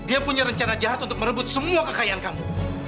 dia punya rencana jahat untuk merebut semua kekayaan kamu